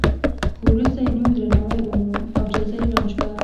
خو وروسته یې نوم درناوی وموند او جایزه اعلان شوه.